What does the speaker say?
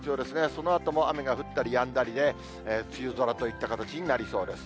そのあとも雨が降ったりやんだりで、梅雨空といった形になりそうです。